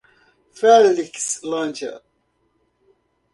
Felixlândia